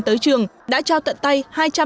tới trường đã trao tận tay hai trăm năm mươi hai